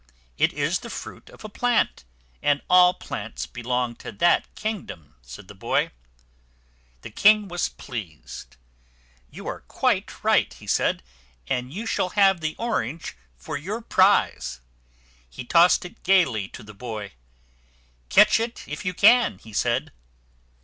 "It is the fruit of a plant, and all plants belong to that kingdom," said the boy. The king was pleased. "You are quite right," he said; "and you shall have the orange for your prize." He tossed it gayly to the boy. "Catch it if you can!" he said.